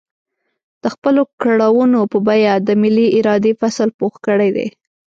د خپلو کړاوونو په بيه د ملي ارادې فصل پوخ کړی دی.